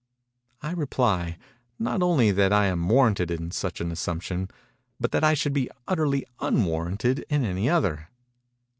I reply, not only that I am warranted in such assumption, but that I should be utterly _un_warranted in any other.